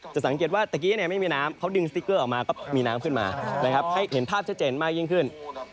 สังเกตว่าตะกี้ไม่มีน้ำเขาดึงสติ๊กเกอร์ออกมาก็มีน้ำขึ้นมานะครับให้เห็นภาพชัดเจนมากยิ่งขึ้น